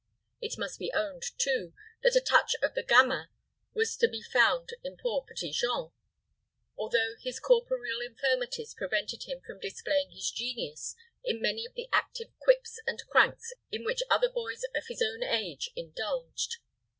It must be owned, too, that a touch of the gamin was to be found in poor Petit Jean, although his corporeal infirmities prevented him from displaying his genius in many of the active quips and cranks in which other boys of his own age indulged.